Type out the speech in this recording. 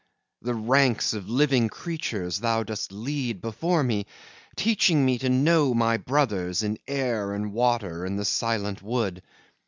The ranks of living creatures thou dost lead Before me, teaching me to know my brothers In air and water and the silent wood.